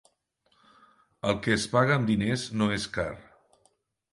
El que es paga amb diners no és car.